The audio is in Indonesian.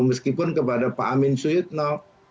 meskipun kepada pak amin syu yitno